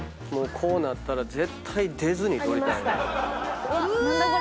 もうこうなったら絶対出ずに取りたい。